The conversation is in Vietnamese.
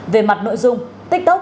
về mặt nội dung của wall street journal